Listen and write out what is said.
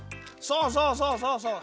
そうそうそうそうそう！